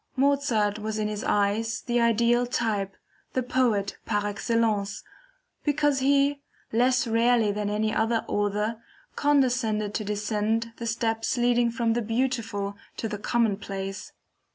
Mozart was in his eyes the ideal type, the Poet par excellence, because he, less rarely than any other author, condescended to descend the steps leading from the beautiful to the commonplace.